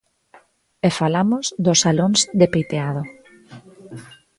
E falamos dos salóns de peiteado.